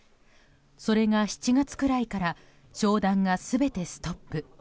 それが７月くらいから商談が全てストップ。